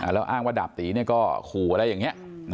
แล้วอ้างว่าดาบตีก็ขู่อะไรอย่างนี้